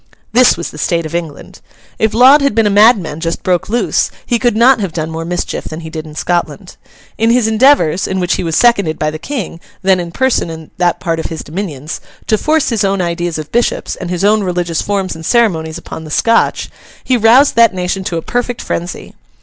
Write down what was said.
This was the state of England. If Laud had been a madman just broke loose, he could not have done more mischief than he did in Scotland. In his endeavours (in which he was seconded by the King, then in person in that part of his dominions) to force his own ideas of bishops, and his own religious forms and ceremonies upon the Scotch, he roused that nation to a perfect frenzy.